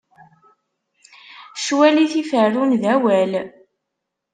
Ccwal i t-iferrun d awal.